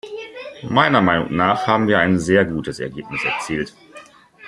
Meiner Meinung nach haben wir ein sehr gutes Ergebnis erzielt.